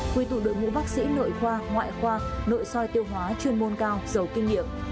quy tụ đội ngũ bác sĩ nội khoa ngoại khoa nội soi tiêu hóa chuyên môn cao giàu kinh nghiệm